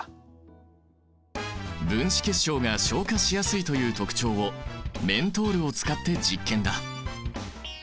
分子結晶が昇華しやすいという特徴をメントールを使って実験だ。